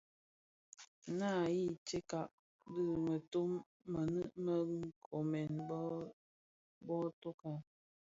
Naa yi stëňkas dhi mëfon mënin bë nkoomèn bō totoka.